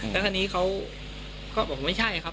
แล้วทีนี้เขาก็บอกไม่ใช่ครับ